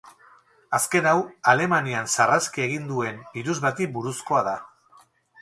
Azken hau, Alemanian sarraskia egin duen birus bati buruzkoa da.